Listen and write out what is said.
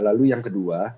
lalu yang kedua